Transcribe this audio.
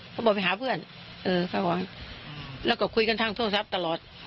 เขาบอกไปหาเพื่อนแล้วก็คุยกันทั้งโทรศัพท์ตลอด